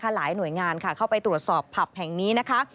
หลายหน่วยงานเข้าไปตรวจสอบผับแห่งนี้นะคะ